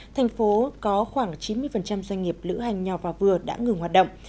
thành phố có khoảng chín mươi doanh nghiệp lữ hành nhỏ và vừa đã ngừng hoạt động